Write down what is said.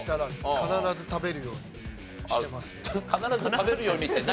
必ず食べるようにって何？